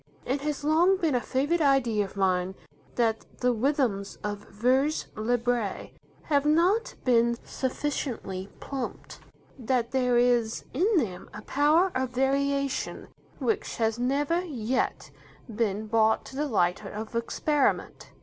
It has long been a favourite idea of mine that the rhythms of 'vers libre' have not been sufficiently plumbed, that there is in them a power of variation which has never yet been brought to the light of experiment.